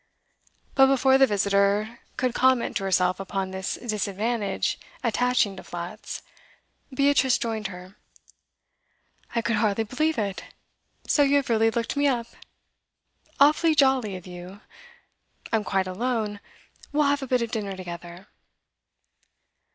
But before the visitor could comment to herself upon this disadvantage attaching to flats, Beatrice joined her. 'I could hardly believe it! So you have really looked me up? Awfully jolly of you! I'm quite alone; we'll have a bit of dinner together.